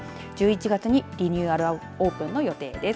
１１月にリニューアルオープンの予定です。